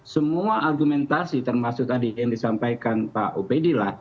semua argumentasi termasuk tadi yang disampaikan pak opedi lah